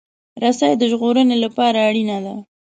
رسۍ د ژغورنې لپاره اړینه ده.